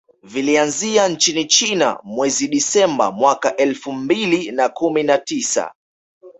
Vilianzia nchini China mwezi Disemba mwaka elfu mbili na kumi na tisa